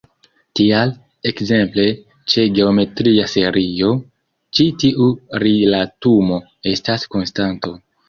Tial, ekzemple, ĉe geometria serio, ĉi tiu rilatumo estas konstanto.